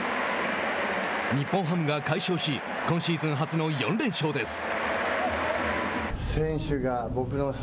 日本ハムが快勝し今シーズン初の４連勝です。